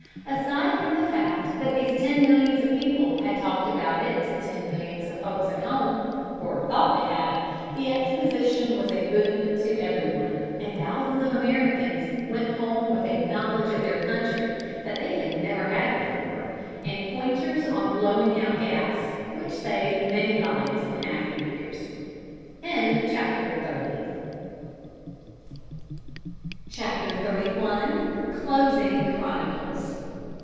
Aside from the fact that these ten millions of people had talked about it to millions of folks at home, or thought they had, the Exposition was a boon to every one, and thousands of Americans went home with a knowledge of their country that they had never had before, and pointers on blowing out gas which saved many lives in after years. [Illustration: MOVE ON, MAROON BROTHER, MOVE ON!] CHAPTER XXXI. CLOSING CHRONICLES.